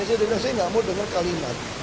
saya tidak mau dengar kalimat